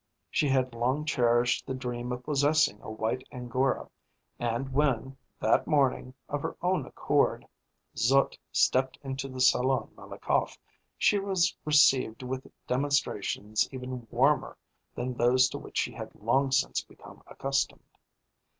She had long cherished the dream of possessing a white angora, and when, that morning, of her own accord, Zut stepped into the Salon Malakoff, she was received with demonstrations even warmer than those to which she had long since become accustomed.